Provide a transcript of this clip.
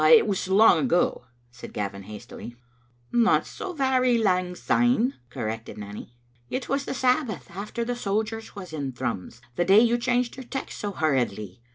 " It was long ago," said Gavin, hastily. No so very lang syne," corrected Nanny. It was the Sabbath after the sojers was in Thrums; the day you changed your text so hurriedly.